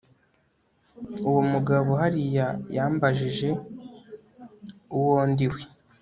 Uwo mugabo hariya yambajije uwo ndiwe